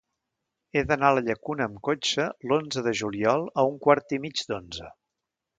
He d'anar a la Llacuna amb cotxe l'onze de juliol a un quart i mig d'onze.